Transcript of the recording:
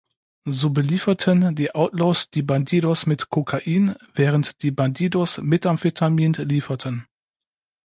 So belieferten die Outlaws die Bandidos mit Kokain, während die Bandidos Methamphetamin lieferten.